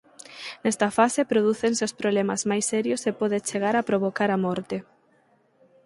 Nesta fase prodúcense os problemas máis serios e pode chegar a provocar a morte.